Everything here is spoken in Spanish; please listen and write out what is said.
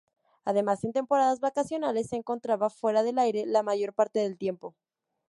Además, en temporadas vacacionales se encontraba fuera del aire la mayor parte del tiempo.